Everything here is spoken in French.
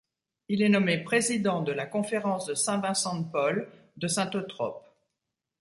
Il est nommé président de la conférence de Saint-Vincent-de-Paul de Saint-Eutrope.